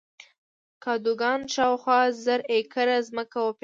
کادوګان شاوخوا زر ایکره ځمکه وپېرله.